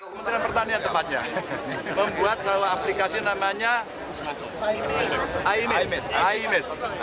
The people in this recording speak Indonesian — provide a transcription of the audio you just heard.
kementerian pertanian tempatnya membuat salah aplikasi namanya aimes